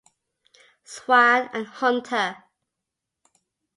Swan and Hunter.